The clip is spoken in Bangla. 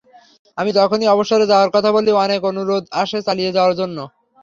আমি যখনই অবসরে যাওয়ার কথা বলি, অনেক অনুরোধ আসে চালিয়ে যাওয়ার জন্য।